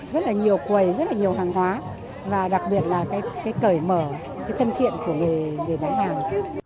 điều quầy rất là nhiều hàng hóa và đặc biệt là cái cởi mở cái thân thiện của người bán hàng